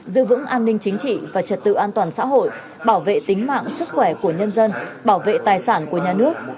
giữ vững an ninh chính trị và trật tự an toàn xã hội bảo vệ tính mạng sức khỏe của nhân dân bảo vệ tài sản của nhà nước